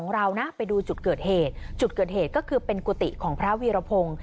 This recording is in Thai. เรานะไปดูจุดเกิดเหตุจุดเกิดเหตุก็คือเป็นกุฏิของพระวีรพงศ์